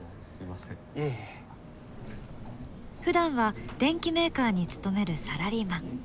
ふだんは電機メーカーに勤めるサラリーマン。